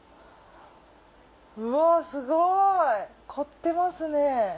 うわぁすごいこってますね。